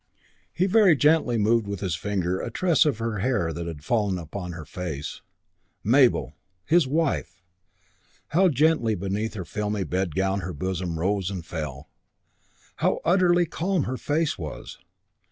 He very gently moved with his finger a tress of her hair that had fallen upon her face.... Mabel!... His wife!... How gently beneath her filmy bedgown her bosom rose and fell!... How utterly calm her face was.